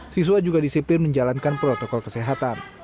siswa juga disiplin menjalankan protokol kesehatan